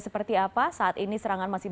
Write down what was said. seperti apa saat ini serangan masih